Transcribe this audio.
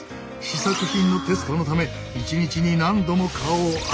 試作品のテストのため一日に何度も顔を洗うのだ。